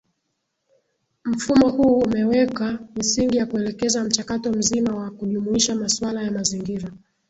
Mfumo huu umeweka misingi ya kuelekeza mchakato mzima wa kujumuisha masuala ya mazingira